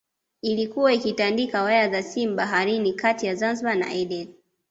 Ilikuwa ikitandika waya za simu baharini kati ya Zanzibar na Aden